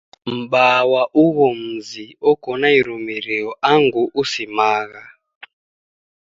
M'baa wa ugho mzi oko na irumirio angu usimagha.